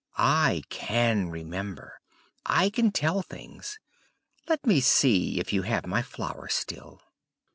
I can remember; I can tell things! Let me see if you have my flower still?"